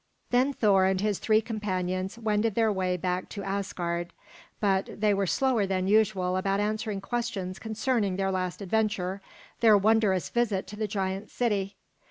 Then Thor and his three companions wended their way back to Asgard. But they were slower than usual about answering questions concerning their last adventure, their wondrous visit to the giant city.